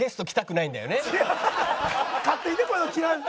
勝手にねこういうの。